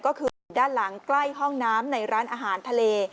ก็คือด้านหลังใกล้ห้องน้ำในร้านอาหารทะเล